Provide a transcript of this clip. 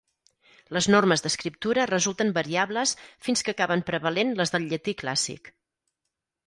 Les normes d'escriptura resulten variables fins que acaben prevalent les del llatí clàssic.